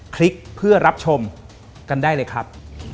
คลิกเพื่อรับชมกันได้เลยครับ